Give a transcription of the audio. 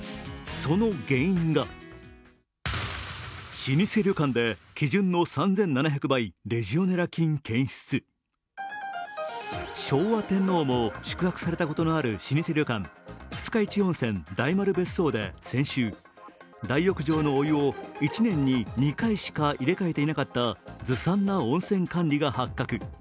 その原因が昭和天皇も宿泊されたことのある老舗旅館、二日市温泉・大丸別荘で先週、大浴場のお湯を１年に２回しか入れ替えていなかったずさんな温泉管理が発覚。